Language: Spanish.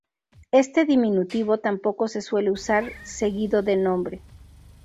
Este diminutivo tampoco se suele usar seguido de nombre.